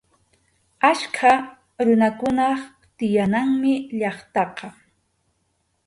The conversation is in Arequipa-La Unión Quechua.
Achka runakunap tiyananmi llaqtaqa.